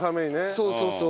そうそうそう。